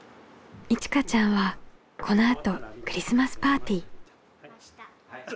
いちかちゃんはこのあとクリスマスパーティー。